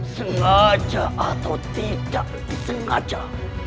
sengaja atau tidak disengaja